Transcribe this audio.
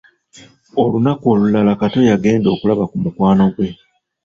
Olunaku olulala, Kato yagenda okulaba ku mukwano gwe.